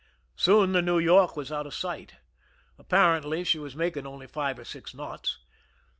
Soon the New York was out of sight ; apparently she was making only five or six knots.